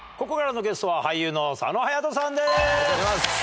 ここからのゲストは俳優の佐野勇斗さんです！